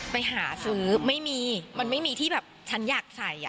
ไปหาซื้อไม่มีมันไม่มีที่แบบฉันอยากใส่